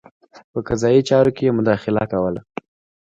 په قضايي چارو کې یې مداخله کوله.